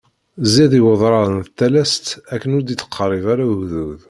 Zzi-d i wedrar s talast akken ur d-ittqerrib ara ugdud.